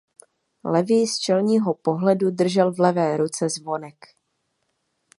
Levý z čelního pohledu držel v levé ruce zvonek.